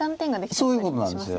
そういうことなんです。